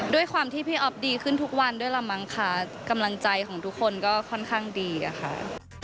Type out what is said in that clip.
ด้วยความที่พี่อ๊อฟดีขึ้นทุกวันด้วยละมั้งค่ะกำลังใจของทุกคนก็ค่อนข้างดีอะค่ะ